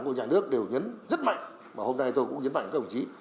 của nhà nước đều nhấn rất mạnh mà hôm nay tôi cũng nhấn mạnh các ông chí